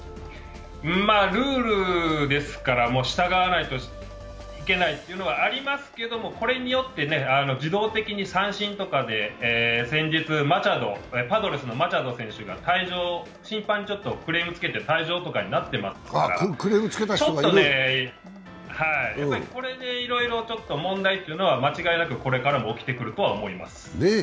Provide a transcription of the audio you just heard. ルールですから従わなければいけないというのはありますけれどもこれによって自動的に三振とかで先日、パドレスの選手が頻繁にクレームをつけて退場になってますからこれでいろいろ問題というのは間違いなくこれからも起きてくるとは思います。